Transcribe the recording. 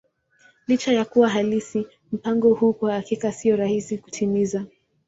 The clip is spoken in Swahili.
Licha ya kuwa halisi, mpango huu kwa hakika sio rahisi kutimiza.